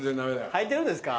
はいてるんですか？